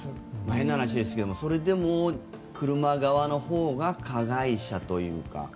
変な話ですがそれでも車側のほうが加害者というか。